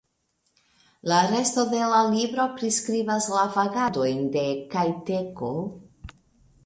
La resto de la libro priskribas la vagadojn de Kajteko.